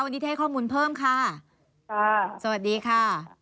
วันนี้เท่ข้อมูลเพิ่มค่ะค่ะสวัสดีค่ะสวัสดีค่ะ